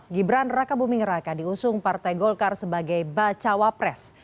gibran raka buming raka diusung partai golkar sebagai bacawa pres